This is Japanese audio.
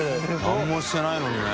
何もしてないのにね。